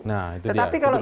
nah itu dia itu ketegasan ya